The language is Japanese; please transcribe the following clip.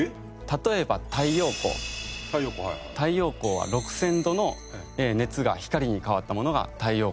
太陽光は６０００度の熱が光に変わったものが太陽光です。